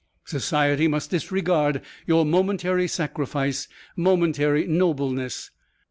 Society must disregard your momentary sacrifice, momentary nobleness.